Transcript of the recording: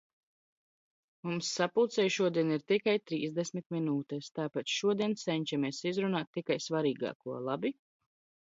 Mums sapulcei šodien ir tikai trīsdesmit minūtes, tāpēc šodien cenšamies izrunāt tikai svarīgāko, labi?